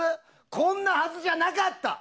こんなはずじゃなかった！